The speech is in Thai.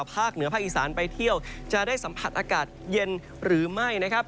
ภาคเหนือภาคอีสานไปเที่ยวจะได้สัมผัสอากาศเย็นหรือไม่นะครับ